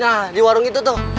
nah di warung itu tuh